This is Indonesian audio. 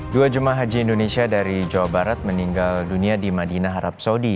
dua jemaah haji indonesia dari jawa barat meninggal dunia di madinah arab saudi